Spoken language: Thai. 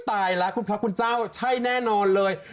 ตายแล้วคุณพระคุณเจ้าใช่แน่นอนเลย